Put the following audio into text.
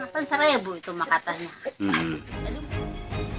kan seribu itu mah katanya